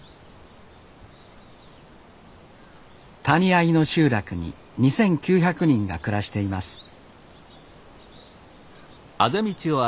谷あいの集落に２，９００人が暮らしています